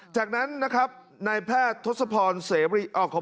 จากนั้นนะครับนายแพทย์ทศพรเสรี